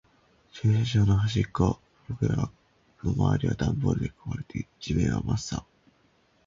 駐車場の端っこ。僕らの周りはダンボールで囲われていて、地面は真っ青。